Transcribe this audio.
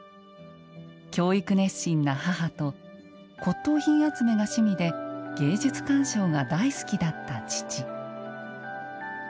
教育熱心な母と骨とう品集めが趣味で芸術鑑賞が大好きだった父。